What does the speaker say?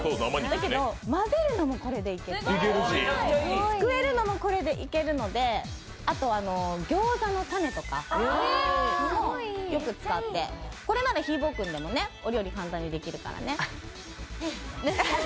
だけど、混ぜるのもこれでいける、すくえるのもこれでいけるので、ギョーザの種とかにもよく使って、これならひーぼぉくんでもお料理簡単にできるからね！